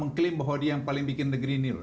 mengklaim bahwa dia yang paling bikin negeri ini